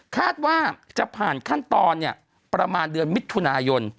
คาดว่าจะผ่านขั้นตอนประมาณเดือนมิถุนายน